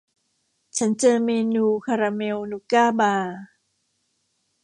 ฉันเจอเมนูคาราเมลนูก้าบาร์